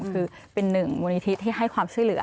คือเป็นหนึ่งมูลนิธิที่ให้ความช่วยเหลือ